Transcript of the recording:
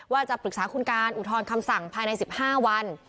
ว่าจะปรึกษาคุณการอุทธรณ์คำสั่งภายใน๑๕วัน